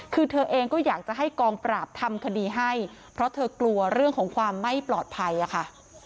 คือเธอเองก็อยากจะให้กองปราบทำคดีให้เพราะเธอกลัวเรื่องของความไม่ปลอดภัยค่ะ